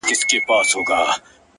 گراني شاعري ستا په خوږ ږغ كي ـ